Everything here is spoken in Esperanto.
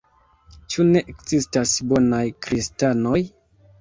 Ĉu ne ekzistas bonaj kristanoj?